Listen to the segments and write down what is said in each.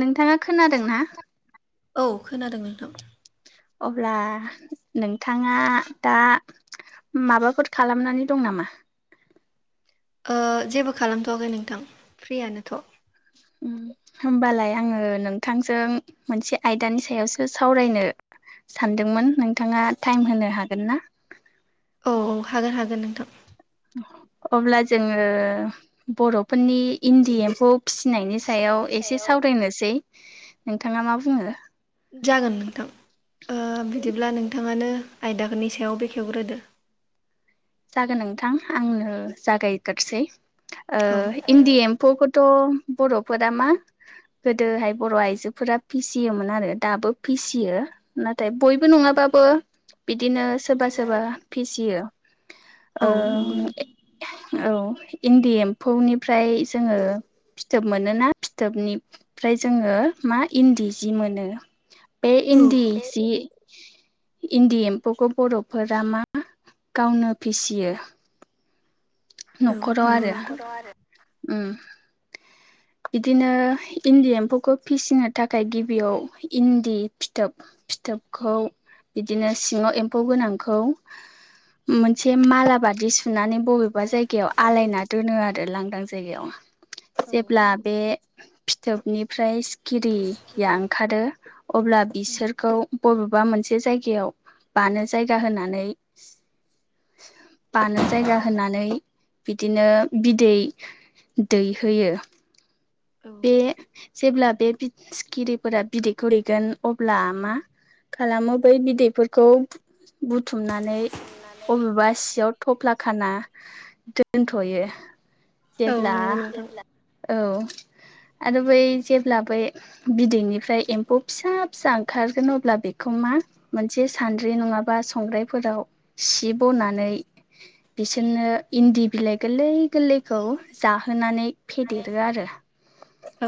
नोंथाङा खोनादों ना? औ खोनादों नोंथां अब्ला नोंथाङा दा माबाफोर खालामनानै दं नामा? ओ जेबो खालामथवाखै नोंथां फ्रियानोथ उम होमबालाय आङो नोंथांजों मोनसे आयदानि सायावसो सावरायनो सानदोंमोन नोंथाङा टाइम होनो हागोन ना? औ औ हागोन हागोन नोंथां अब्ला जोङो बर फोरनि इन्दि एम्फौ फिसिनायनि सायाव एसे सावरायनोसै नोंथाङा मा बुङो? जागोन नोंथां ओ बिदिब्ला नोंथाङानो आयदाफोरनि सायाव बेखेवग्रोदो जागोन नोंथां आंनो जागायग्रोसै ओ औ इन्दि एम फौखौथ बर फोरा मा? गोदोहाय बर आइजोफोरा फिसियोमोन आरो दाबो फिसियो। नाथाय बयबो नङाबाबो बिदिनो सोरबा सोरबा फिसियो औ ओ नंगौ नोंथां। औ इन्दि एम्फौनिफ्राय जोङो फिथोब मोनोना फिथोबनिफ्राय जोङो मा इन्दि जि मोनो। बे औ इन्दि सि इन्दि एम्फौखौ बर फोरा मा? गावनो फिसियो न खराव आरो आरो उम बिदिनो इन्दि एम्फौखौ फिसिनो थाखाय गिबियाव इन्दि फिथोब फिथोबखौ बिदिनो सिङाव एम्फौ गोनांखौ मोनसे मालाबादि सुनानै बबे बा नंगौ जायगायाव आलायना नोंथां दोनो आरो लांदां जायगायाव औ जेब्ला नंगौ बे नोंथां फिथोबनिफ्राय सि खिरिया ओंखारो अब्ला औ बिसोरखौ बबेबा मोनसे जायगायाव बानो जायगा होनानै बानो जायगा होनानै बिदिनो बिदै दै होयो बे जेब्ला बे बि सिखिरिफोरा बिदैखौ दैगोन अब्ला मा? खालामो बै बिदैफोरखौ बुथुमनानै अबेबा सियाव थफ्ला खाना दोनथ यो जेब्ला नंगौ नोंथां औ आरो बै जेब्ला बै बिदैनिफ्राय एम्फौ फिसा फिसा ओंखारगोन अब्ला बे खौमा मोनसे सान्द्रि नङाबा संग्रायफोराव सि बनानै बिसोरनो इन्दि बिलाइ गोरलै गोरलैखौ जाहोनानै फेदेरो आरो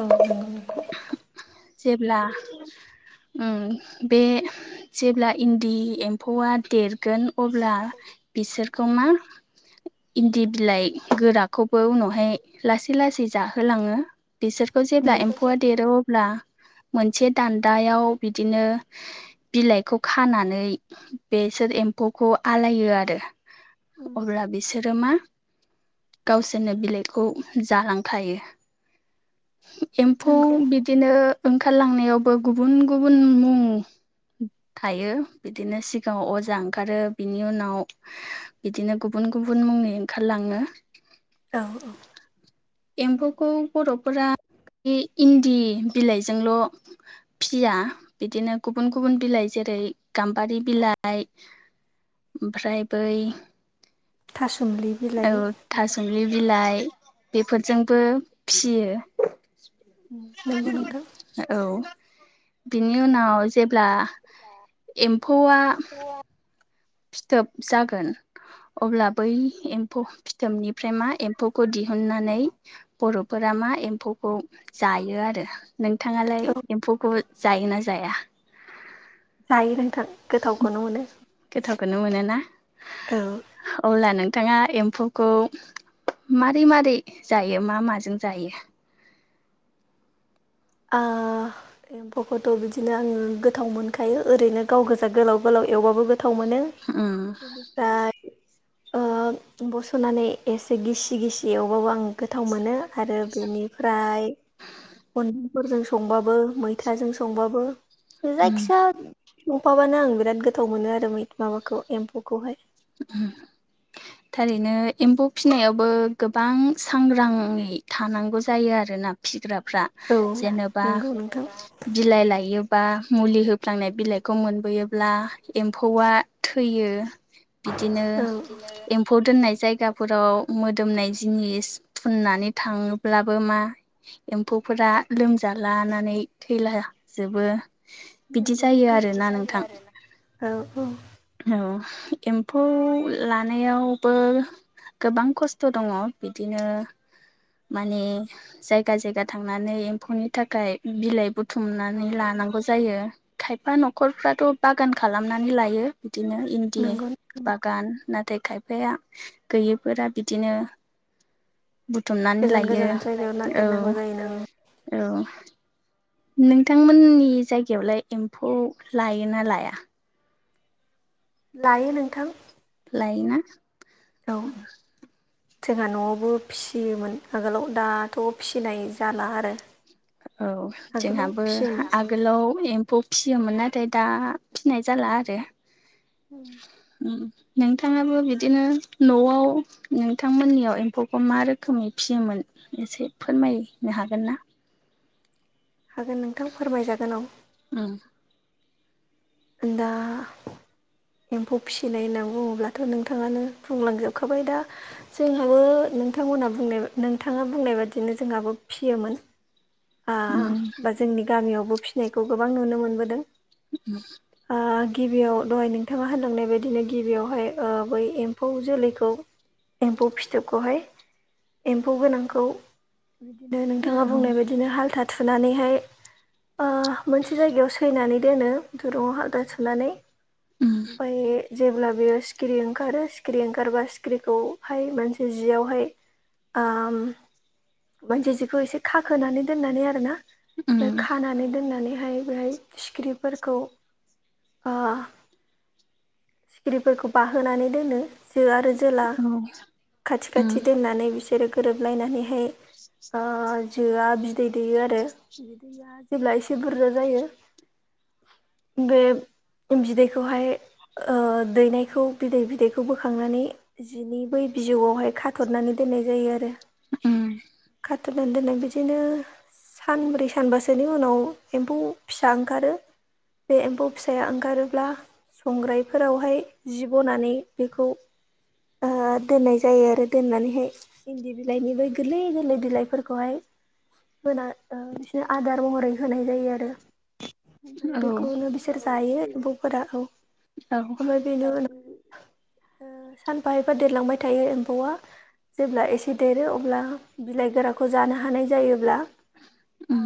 औ नंगौ नों जेब्ला बे जेब्ला इन्दि एम्फौआ देरगोन अब्ला बिसोरखौ मा इन्दि बिलाइ गोराखौबो उनावहाय लासै लासै जाहोलाङो बिसोरखौ जेब्ला एम्फौआ देरो अब्ला मोनसे दान्दायाव बिदिनो बिलाइखौ खानानै बेसोर एम्फौखौ आलायो आरो अब्ला बिसोरो मा गावसोरनो बिलाइखौ जालांखायो एम्फौ नंगौ बिदिनो ओंखारलांनायावबो गुबुन गुबुन मुं थायो बिदिनो सिगाङाव अजा ओंखारो बिनि उनाव बिदिनो गुबुन गुबुन मुंनि ओंखारलाङनो औ औ। एम्फौखौ बर'फोरा इन्दि बिलाइजोंल' फिया बिदिनो गुबुन गुबुन बिलाइ जेरै गाम्बारि बिलाइ ओमफ्राय बै थासुमलि बिलाइ औ थासम दुब्लि बिलाइ बेफोरजोंबो फियो नंगौ नोंथां औ बिनि उनाव जेब्ला एम्फौआ फिथोब जागोन अब्ला बै एम्फौ फिथोबनिफ्राय मा एम्फौखौ दि दिहुननानै बर'फोरा मा एम्फौखौ जायो आरो नोंथाङालाय औ एम्फौखौ जायोना जाया जायो रोंथां गोथावखौनो मोनो गोथावखौनो मोनोोना औ अब्ला नों नथाङा एम्फौखौ मारोरै मारै जायो मा माजों जायो आ एम्फौखौथ' बिदिनो आङो गोथाव मोनखायो ओरैनो गाव गोजा गोलाव गोलाव एवबाबो गोथाव मोनो उम बेनिफ्राय बस'नानै एसे गिसि गिसि एवबाबो आं गोथाव मोनो आरो बेनिफ्राय खुन्दुंफोरजों संबाबो मैथाजों संबाबो उम जायखिजाया गंफाबानो आं बिराद गोथाव मोनो आरो माबाखौ एम्फौखौहाय थारैनो एम्फौ फिसिनायावबो गोबां सांग्राङै थानांगौ जायो आरोना। फिग्राफ्रा औ जेनेबा नंगौ नोंथां बिलाइ लायोब्लाा मुलि होफ्लांनाय बिलाइखौ मोनबोयोब्ला एम्फौआ थैयो बिदिनो औ एम्फौ दोननाय जायगाफोराव मोदोमनाय जिनिस फुननानै थाङोब्लाबो मा एम्फौफोरा लोमज लानानै थैला जबो नोंगथ' बिदि ज आरो ना औ औ औ एम्फौ लानायावबो गोबां खस्थ' दङ बिदिनो माने जायगा जायगा थांनानै एम्फौनि थाखाय बिलाइ बथ बुथुमनानै लानांगौ जायो खायफा न'खरफ्राथ' बागान खालामनानै लायो बिदिनो इन्दि नंगौ बागान नाथाय खायफाया गैयिफोरा बिदिनो बुथुमनानै गोजान लायो गोजान जायगायाव औ नागिरनांगौ जायो नों औ। नोंथांमोननि जायगायावलाय एम्फौ लायो ना लाया लायो नोंथां। लायोना? औ जोंहा न'आवबो फिसियोमोन आगोलाव दाथ' फिसिनाय जाला आरो औ आगोलाव जोंहाबो फिसियोमोन आगोलाव एम्फौ फिसियोमोन नाथाय दा फिनाय जाला आरो ओम नोंथाङाबो बिदिनो न'आव नोंथांमोननियाव एम्फौखौ मा रोखोमै फियोमोन एसे फोरमायनो हागोन ना हागोन नोंथां फोरमायजागोन औ ओम। दा एम्फौ फिसिनाय होनना बुङोब्लाथ' नोंथाङानो बुंलांजोबखाबाय दा जोंहाबो नोंथांमोनहा बुंनाय नोंथाङा बुंनाय बादिनो जोंहाबो फियोमोन। आ उम बा जोंनि गामियावबो फिसिनायखौ गोबां नुनो मोनबोदों। उम आ गिबियाव दहाय नोंथाङा होनलांनाय बायदिनो गिबियावहाय ओ बै एम्फौ जोलैखौ एम्फौ फिथोबखौहाय एम्फौ गोनांखौ बिदिनो नोंथाङा बुंनाय बायदिनो हाल्था थुनानैहाय ओ मोनसे जायगायाव सैनानै दोनो दुरुुङाव हालथा सुनानै ओमफाय जेब्ला बेयो सिखिरि ओंखारो सिखिरि ओंखारबा सिखिरिखौहाय मोनसे जियावहाय आ मोनसे जिखौ एसे खाखोनानै दोननानै आरोना ओमफ्राय उम खानानै दोननानैहाय बेहाय सिखिरिफोरखौ आ सिखिरिफोरखौ बाहोनानै दोनो जो आरो जोला खाथि उम खाथि दोननानै बिसोरो गोरोबलायनानैहाय ओ जोआ बिदै दैयो आरो बिदैया जेब्ला एसे बुरजा जायो बे बिदैखौहाय ओ दैनायखौ बिदै बिदैखौ बोखांनानै जिनि बै बिजौआवहाय खाथरनानै दोननाय जायो उम आरो दोनो बिदिनो सानब्रै सानबासोनि उनाव एम्फौ फिसा ओंखारो बे एम्फौ फिसाया ओंखारोब्ला संग्राइ फोरावहाय जि बनानै बेखौ ओ दोननाय जायो आरो दोननानैहाय इन्दि बिलाइनि बै गोरलै गोरलै बिलाइफोरखौहाय होना ओ बिसोरनो आदार महरै होनाय जायो आरो ओमफ्राय औ बेखौनो बिसोर जायो एम्फौफोरा औ औ बेनो उनाव सानफा एबा देरलांबाय थायो एम्फौवा जेब्ला एसे देरो अब्ला बिलाइ गोराखौ जानो हानाय जायोब्ला उम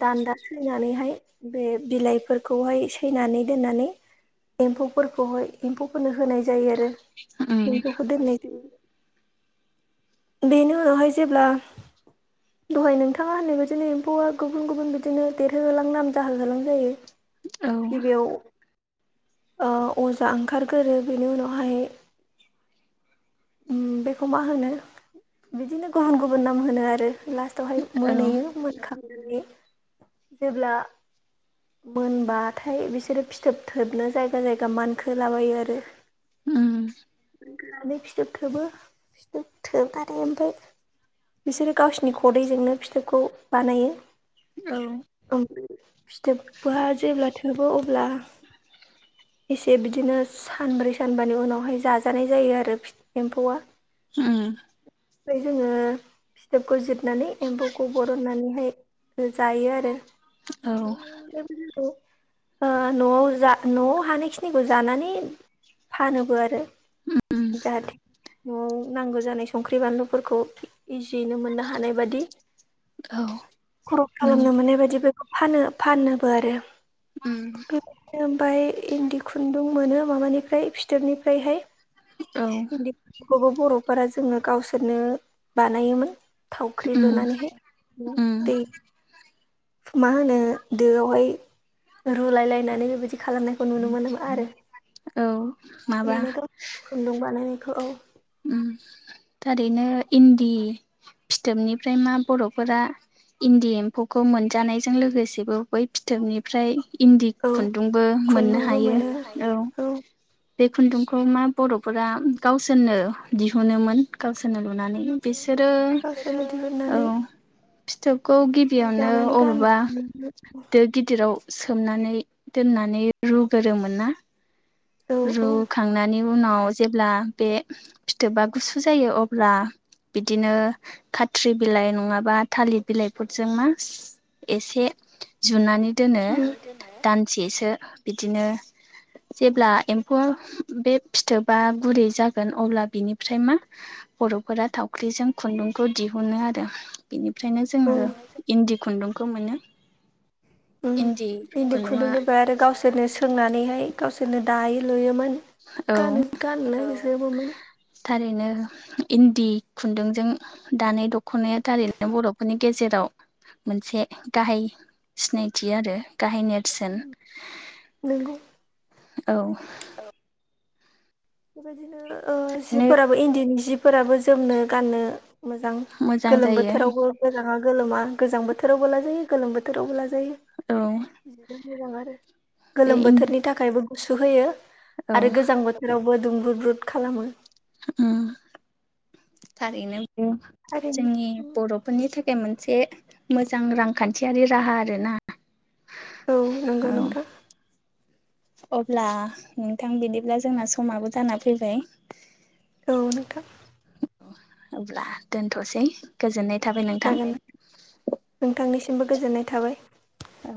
दान्दा सैनानैहाय बे बिलाइफोरखौहाय सैनानै दोननानै एम्फौफोरखौहाय एम्फौफोरनो होनाय जायो आरो उम एम्फौखौ दोननाय जायो। बेनि उनावहाय जेब्ला [unintelligible] [inaudible] दहाय नोंथाङा होननाय बायदिनो एम्फौवा गुबुन गुबुन बिदिनो देरहो होलां नाम जाहो होलां जायो। औ गिबियाव ओ अजा ओंखारगोरो बेनि उनावहाय ओम बेखौ मा होनो बिदिनो गुबुन गुबुन नाम होनो आरो लास्ट दहाय औ मोनायाव मोनखांदों बे जेब्ला मोनबाथाय बिसोरो फिथोब थोबनो जायगा जायगा मानखोलाबायो आरो ओ मोननानै फिथोब थोबो फिथोब थोबनानै ओमफ्राय बिसोरो गावसिनि खदैजोंनो फिथोबखौ बानायो औ ओं फिथोबा जेब्ला थोबो अब्ला एसे बिदिनो सानब्रै सानबानि उनावहाय जाजानाय जायो आरो एम्फौआ ओम ओमफ्राय जोङो फिथोबखौ जिरनानै एम्फौखौ बरननानैहाय जायो आरो औ बेनि अनगायैबो जोङो ओ न'आव जा न'आव हानायखिनिखौ जानानै फानोबो आरो उम जाहाथे न'आव नांगौ जानाय संख्रि बानलुफोरखौ इजियैनो मोननो हानाय बादि औ खर'स नों खालामनो मोननाय बायदि बेखौ फानो फानोबो आरो उम ओमफ्राय इन्दि खुन्दुं मोनो माबानिफ्राय फिथोबनिफ्रायहाय औ इन्दि खुन्दुंफोरखौबो बर'फोरा जोङो गावसोरनो बानायोमोन थावख्रि उम लुनानैहाय उम नदै मा होनो दोआवहाय रुलाय लायनानै बेबायदि खालामनायखौ नुनो मोनो आरो औ माबा खुन्दुं बानायनायखौ औ उम थारैनो इन्दि फिथोबनिफ्राय मा बर'फोरा इन्दि एम्फौखौ मोनजानायजों लोगोसेबो बै फिथोबनिफ्राय इन्दि औ खुन्दुंबो मोननो खुन्दुंबो हायो मोनो औ बे खुन्दुंखौ मा बर'फोरा गावसोरनो दिहुनोमोन गावसोरनो लुनानै बिसोरो गावसोरनो औ दिहुननानै फिथोबखौ गिबियावनो दानानै अबेबा गानो गिदिराव सोमनानै दोननानै रुगोरोमोन ना औ रुखांनायनि उनाव जेब्ला बे फिथोबा गुसु जायो अब्ला बिदिनो खाथ्रि बिलाइ नङाबा थालिर बिलाइफोरजों मा एसे जुनानै दोनो दानसेसो बिदिनो जेब्ला एम्फौआ बे फिथोबा गुरै जागोन अब्ला बिनिफ्राय मा बर'फोरा थावख्रिजों खुन्दुंखौ दिहुनो आरो बिनिफ्रायनो जोङो औ इन्दि खुन्दुंखौ मोनो उम इन्दि इन्दि खुन्दुङा खुन्दुंनिफ्राय आरो गावसोर सोरनो सोंनानैहाय गावसोरनो दायो लुयोमोन औ गानो गाननो बिफोरबोमोन थारैनो इन्दि खुन्दुंजों दानाय दख'नाया थारैनो बर'फोरनि गेजेराव मोनसे गाहाय सिनायथि आरो गाहाय नेर सोन नोंगौ औ बेबायदिनो ओ नो जिफोराबो इन्दिनि जिफोराबो जोमनो गाननो मोजां मोजां गोलोम जायो बोथोरावबो गोजाङा गोलोमा गोजां बोथोरावबो लाजायो गोलोम बोथोरावबो लाजायो औ बिदिनो मोजां आरो बे गोलोम इन बोथोरनि थाखायबो गुसु होयो औ आरो गोजां बोथोरावबो दुंब्रुद ब्रुद खालामो उम थारैनो बु जोंनि थारैनो बर' फोरनि थाखाय मोनसे मोजां रांखान्थियारि राहा आरो ना औ नोंगौ नोंथां अब्ला नोंथां बिदिब्ला जोंना समाबो जाना फैबाय औ नोंथां अब्ला दोनथ'सै गोजोननाय थाबाय नोंथां। जागोन नोंथांनिसिमबो गोजोननाय थाबाय। औ